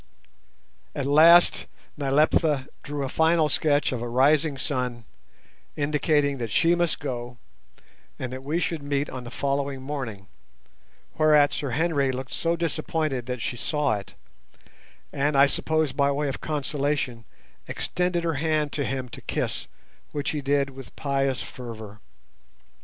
At last Nyleptha drew a final sketch of a rising sun, indicating that she must go, and that we should meet on the following morning; whereat Sir Henry looked so disappointed that she saw it, and, I suppose by way of consolation, extended her hand to him to kiss, which he did with pious fervour.